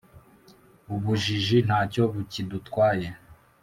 ubujiji ntacyo bukidutwaye